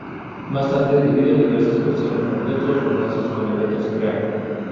Más tarde, debido a diversas cuestiones, rompió todos los lazos con 'eventos Cream'.